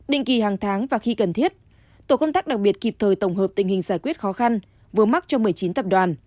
định kỳ hàng tháng và khi cần thiết tổ công tác đặc biệt kịp thời tổng hợp tình hình giải quyết khó khăn vướng mắc cho một mươi chín tập đoàn